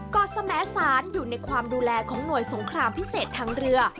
อดสมสารอยู่ในความดูแลของหน่วยสงครามพิเศษทางเรือ